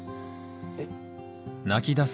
えっ？